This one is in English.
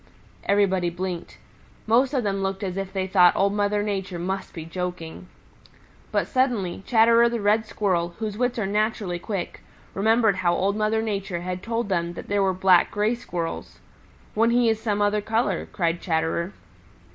Everybody blinked. Most of them looked as if they thought Old Mother Nature must be joking. But suddenly Chatterer the Red Squirrel, whose wits are naturally quick, remembered how Old Mother Nature had told them that there were black Gray Squirrels. "When he is some other color," cried Chatterer.